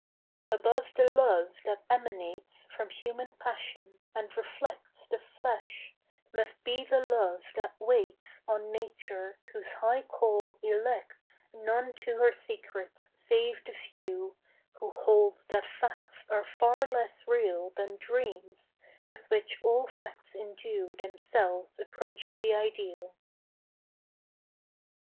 Above the love that emanates From human passion, and reflects The flesh, must be the love that waits On Nature, whose high call elects None to her secrets save the few Who hold that facts are far less real Than dreams, with which all facts indue Themselves approaching the ideal.